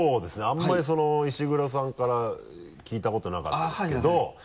あんまり石黒さんから聞いたことなかったですけど。